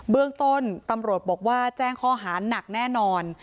เรื่องต้นตำรวจบอกว่าแจ้งข้อหาหนักแน่นอน